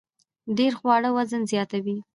ډیر خواړه وزن زیاتوي